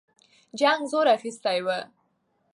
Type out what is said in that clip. جنګ زور اخیستی وو.